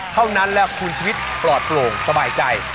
เท่านั้นแล้วคุณชีวิตปลอดโปร่งสบายใจ